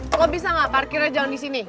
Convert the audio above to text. eh lo bisa gak parkirnya jangan di sini